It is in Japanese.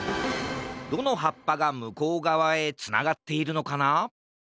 どのはっぱがむこうがわへつながっているのかな？